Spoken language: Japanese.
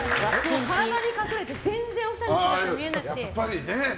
体に隠れて全然お二人の姿見えなくて。